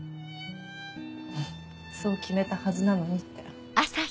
そう決めたはずなのにって。